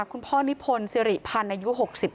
คุณพ่อนิพนธ์สิริพันธ์อายุ๖๒